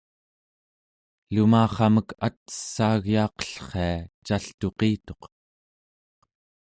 lumarramek at'essaagyaaqellria caltuqituq